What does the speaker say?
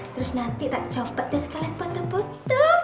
terus nanti tak copot dan sekalian foto foto